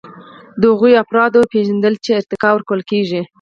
د هغو افرادو پیژندل چې ارتقا ورکول کیږي.